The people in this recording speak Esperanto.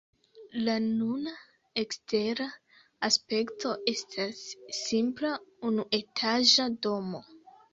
La nuna ekstera aspekto estas simpla unuetaĝa domo.